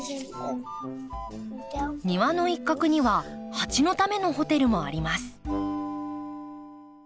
庭の一角にはハチのためのホテルもあります。